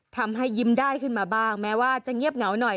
ยิ้มได้ขึ้นมาบ้างแม้ว่าจะเงียบเหงาหน่อย